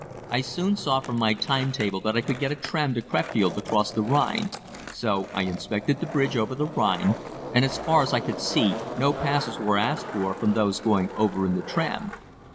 I soon saw from my time table that I could get a tram to Crefeld across the Rhine, so I inspected the bridge over the Rhine, and as far as I could see no passes were asked for, from those going over in the tram.